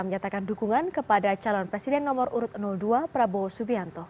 menyatakan dukungan kepada calon presiden nomor urut dua prabowo subianto